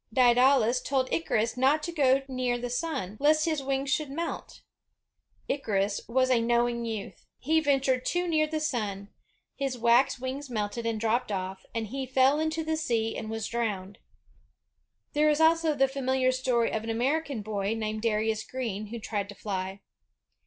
Daedalus told Icarus not to go near the sun, lest his wings should melt. Icarus was a knowing youth. He ventured too near the sun, his wax wings melted and dropped off, and he fell into the sea and was drowned. There is also the famihar story of an American boy, named Darius Green, who tried to fly.